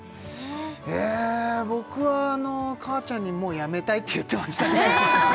僕はあの母ちゃんにもう辞めたいって言ってましたねえ！